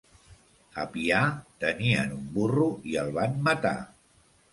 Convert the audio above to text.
A Pià, tenien un burro i el van matar.